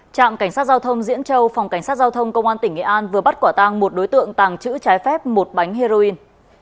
trạm cảnh sát giao thông diễn châu phòng cảnh sát giao thông công an tỉnh nghệ an vừa bắt quả tàng một đối tượng tàng trữ trái phép một bánh heroin